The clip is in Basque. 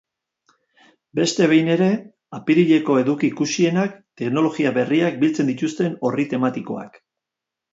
Beste behin ere, apirileko eduki ikusienak teknologia berriak biltzen dituzten orri tematikoak.